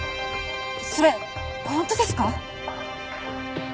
それ本当ですか！？